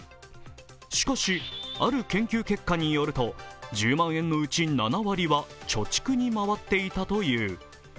しかし、ある研究結果によると、１０万円のうち７割は貯蓄に回っていたという。